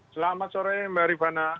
selamat sore mbak ribana